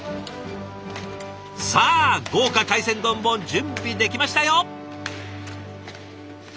さあ豪華海鮮丼も準備できましたよ！